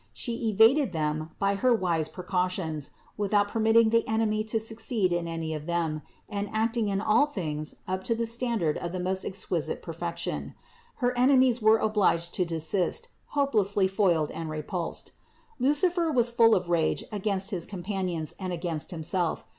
She evaded them by her wise precautions, without permitting the enemy to succeed in any of them and acting in all things up to the standard of the most exquisite perfection. Her enemies were obliged to desist, hopelessly foiled and repulsed. Lucifer was full of rage against his companions and against himself.